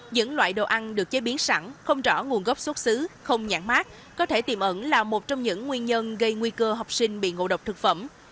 những loại đồ ăn được chế biến sẵn không rõ nguồn gốc xuất xứ không nhãn mát có thể tiềm ẩn là một trong những nguyên nhân gây nguy cơ học sinh bị ngộ độc thực phẩm